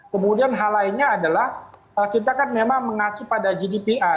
kemudian hal lainnya adalah kita kan memang mengacu pada gdpr